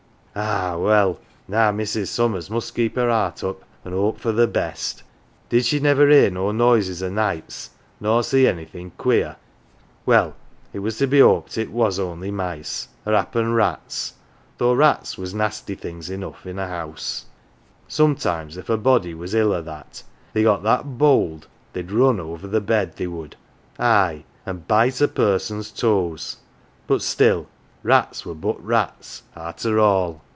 Ah ! well, now Mrs. Summers must keep her heart up, an' hope for the best. Did she never hear no noises o' nights nor see anythin' queer ? Well it was to be 'oped it was only mice, or happen rats though rats was nasty things enough in a house; sometimes if a body was ill or that, they got that bold they'd run over the bed, they would aye, an' bite a person's toes; but still, rats were but rats 216 : RE AND THERE arter all.